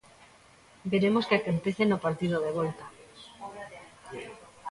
Veremos que acontece no partido de volta.